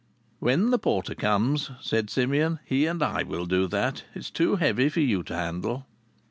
"When the porter comes," said Simeon, "he and I will do that. It's too heavy for you to handle."